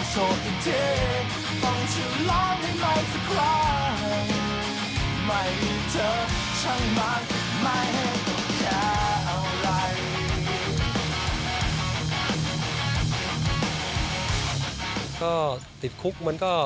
สุดท้ายไม่เจอก็ช่างมาก